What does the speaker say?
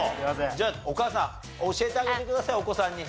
じゃあお母さん教えてあげてくださいお子さんに。